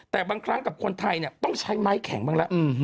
แต่บางครั้งกับคนไทยต้องใช้ไม้แข็งบ้างแล้ว